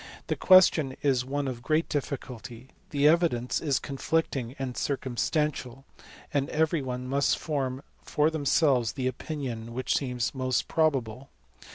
The question is one of great difficulty ; the evidence is conflicting and circumstantial ; and every one must form for themselves the opinion which seems most probable.